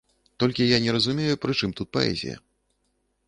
Толькі я не разумею, пры чым тут паэзія?